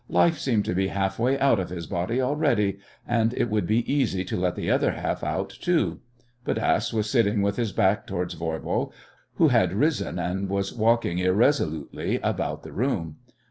Life seemed to be half way out of his body already, and it would be easy to let the other half out too. Bodasse was sitting with his back towards Voirbo, who had risen and was walking irresolutely about the room.